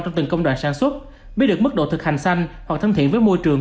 trong từng công đoàn sản xuất biết được mức độ thực hành xanh hoặc thân thiện với môi trường